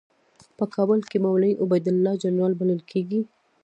په کابل کې مولوي عبیدالله جنرال بلل کېده.